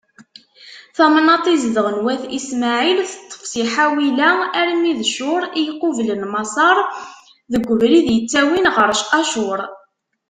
Tamnaṭ i zedɣen wat Ismaɛil, teṭṭef si Ḥawila armi d Cur, i yequblen Maṣer, deg ubrid ittawin ɣer Acur.